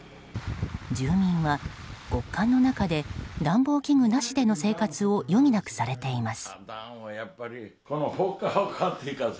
住民は極寒の中で暖房器具なしでの生活を余儀なくされています。